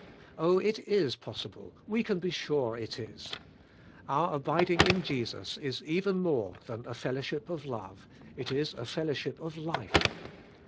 Oh, it is possible; we can be sure it is. Our abiding in Jesus is even more than a fellowship of love, — it is a fellowship of life.